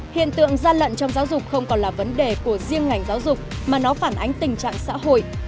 hiện tượng gian lận trong giáo dục không còn là vấn đề của riêng ngành giáo dục mà nó phản ánh tình trạng xã hội